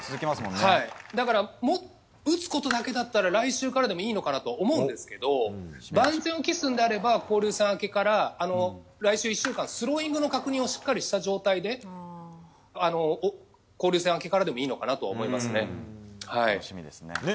だから打つことだけだったら来週からでもいいのかなと思うんですけど万全を期すのであれば交流戦明けから来週１週間スローイングの確認をしっかりした状態で交流戦明けからでもいいのかなと思いますね。